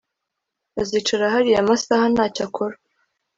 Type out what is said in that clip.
Azicara hariya amasaha ntacyo akora